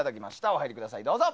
お入りください、どうぞ。